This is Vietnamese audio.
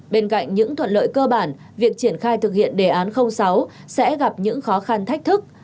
bên cạnh những thuận lợi cơ bản việc triển khai thực hiện đề án sáu sẽ gặp những khó khăn thách thức